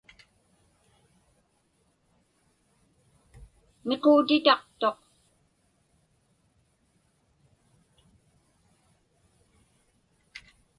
Miquutitaqtuq.